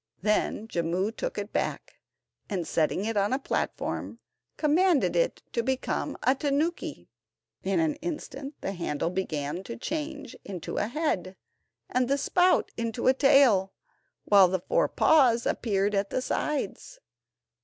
Then Jimmu took it back, and setting it on the platform, commanded it to become a tanuki. In an instant the handle began to change into a head, and the spout into a tail, while the four paws appeared at the sides.